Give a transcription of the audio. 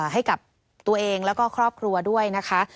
ให้กับตัวเองแล้วก็ครอบครัวด้วยนะคะ